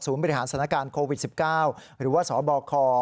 บริหารสถานการณ์โควิด๑๙หรือว่าสบค